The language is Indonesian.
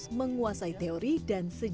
silat bukan hanya praktik tetapi juga berguna